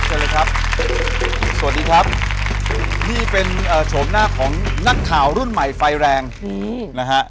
สวัสดีครับสวัสดีครับนี่เป็นโฉมหน้าของนักข่าวรุ่นใหม่ไฟแรงนะฮะ